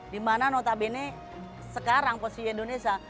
dimana notabene sekarang posisi indonesia